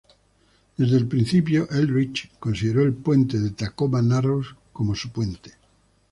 Desde el principio, Eldridge consideró el puente de Tacoma Narrows como "su puente".